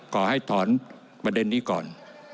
ขอให้ถอนประเด็นนี้ก่อน